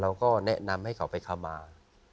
เราก็แนะนำให้เขาไปคำมา